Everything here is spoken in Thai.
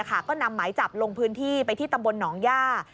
ก็นำหมายจับลงพื้นที่ไปที่ตำบลหนองย่า